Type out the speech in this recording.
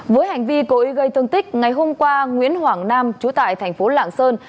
với hành vi cố ý gây thương tích ngày hôm qua nguyễn hoàng nam trú tại tp lạng sơn